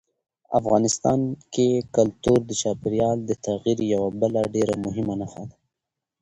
افغانستان کې کلتور د چاپېریال د تغیر یوه بله ډېره مهمه نښه ده.